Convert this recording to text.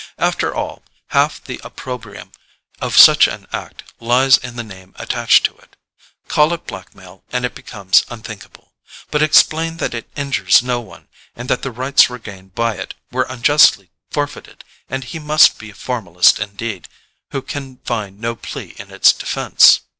After all, half the opprobrium of such an act lies in the name attached to it. Call it blackmail and it becomes unthinkable; but explain that it injures no one, and that the rights regained by it were unjustly forfeited, and he must be a formalist indeed who can find no plea in its defence.